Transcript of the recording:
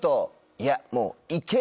いやもう。